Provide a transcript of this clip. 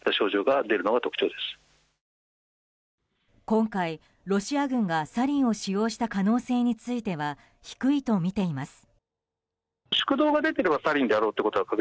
今回、ロシア軍がサリンを使用した可能性については低いとみています。